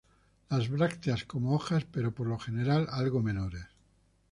Las brácteas como hojas, pero por lo general algo menores.